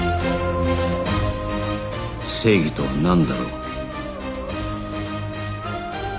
正義とはなんだろう